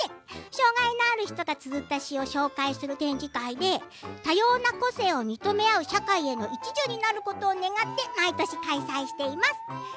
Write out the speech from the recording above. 障害のある人がつづった詩を紹介する展示会で多様な個性を認め合う社会への一助になることを願って毎年、開催しています。